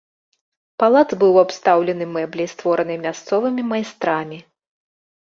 Палац быў абстаўлены мэбляй, створанай мясцовымі майстрамі.